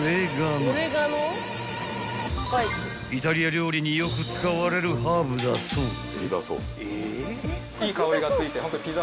［イタリア料理によく使われるハーブだそうで］